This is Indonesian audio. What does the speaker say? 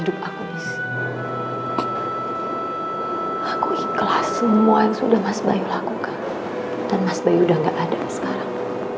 dan mas bayu udah gak ada sekarang